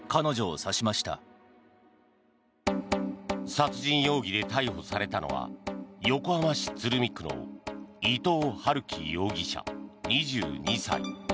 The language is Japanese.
殺人容疑で逮捕されたのは横浜市鶴見区の伊藤龍稀容疑者、２２歳。